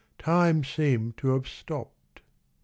Time seemed to have stopped.